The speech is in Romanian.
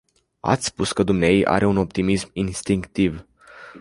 Ați spus că dumneaei are un optimism instinctiv.